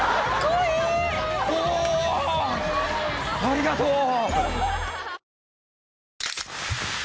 ありがとう！